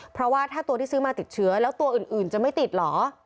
เพราะว่าถ้าตัวที่ซื้อมาติดเชื้อแล้วตัวอื่นจะไม่ติดเหรอ